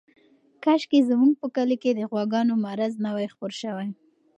کاشکې زموږ په کلي کې د غواګانو مرض نه وای خپور شوی.